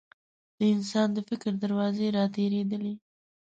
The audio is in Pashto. د انسان د فکر دروازې راتېرېدلې.